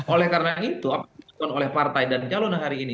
oleh karena itu apa yang dilakukan oleh partai dan calon hari ini